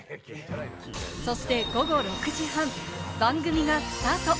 そして午後６時半、番組がスタート。